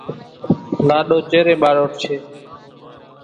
لاڏو چيرين ٻاروٺشيَ۔